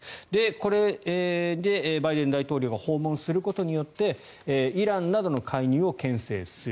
これでバイデン大統領が訪問することによってイランなどの介入をけん制する。